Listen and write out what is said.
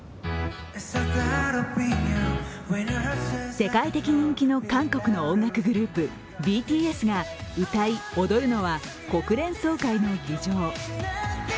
世界的人気の韓国の音楽グループＢＴＳが歌い、踊るのは、国連総会の議場。